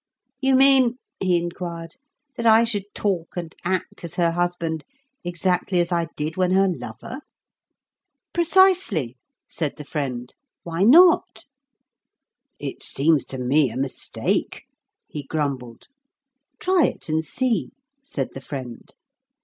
"'You mean,' he inquired, 'that I should talk and act as her husband exactly as I did when her lover?' "'Precisely,' said the friend; 'why not?' "'It seems to me a mistake,' he grumbled. "'Try it and see,' said the friend.